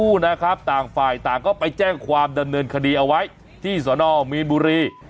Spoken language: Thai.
ประตูน้องมาลุงไปไปต่างฝ่ายต่างก็ไปแจ้งความดำเนินคดีเอาไว้ที่สอนอมีนบุรี